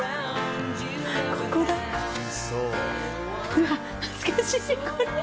うわ懐かしいこれ！